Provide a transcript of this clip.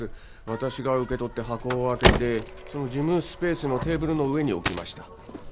私が受け取り箱を開けてその事務スペースのテーブルの上に置きました